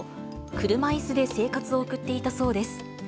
車いすで生活を送っていたそうです。